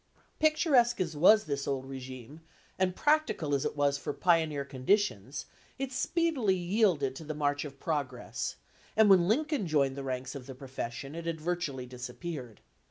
Picturesque as was this old regime, and prac tical as it was for pioneer conditions, it speedily yielded to the march of progress, and when Lin 68 PRIMITIVE ILLINOIS COURTS coin joined the ranks of the profession it had virtually disappeared.